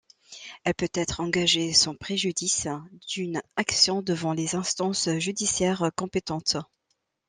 Elle peut être engagée sans préjudice d’une action devant les instances judiciaires compétentes.